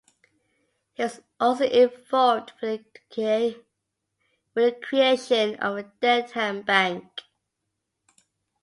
He was also involved with the creation of the Dedham Bank.